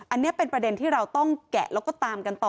อันนี้เป็นประเด็นที่เราต้องแกะแล้วก็ตามกันต่อ